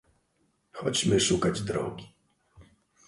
"Chodźmy szukać drogi."